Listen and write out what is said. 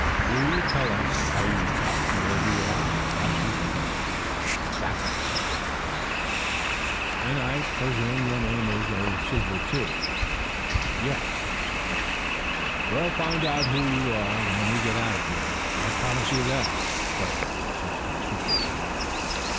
"Will you tell us how you got where you are?" asked Mr. Phipps. "That's a secret," replied the girl. "And I presume your name is a secret too?" "Yes." "We'll find out who you are when we get out of here. I promise you that," threatened the assistant superintendent.